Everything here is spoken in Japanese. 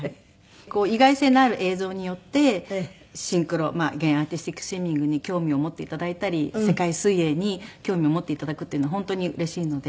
意外性のある映像によってシンクロ現アーティスティックスイミングに興味を持って頂いたり世界水泳に興味を持って頂くっていうの本当にうれしいので。